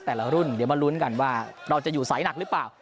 แต่ละรุ่นเดี๋ยวมาลุ้นกันว่าเราจะอยู่สายหนักหรือเปล่า